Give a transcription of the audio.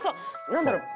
何だろそう。